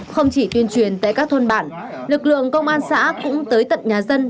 không chỉ tuyên truyền tại các thôn bản lực lượng công an xã cũng tới tận nhà dân